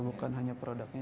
bukan hanya produknya